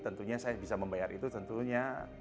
tentunya saya bisa membayar itu tentunya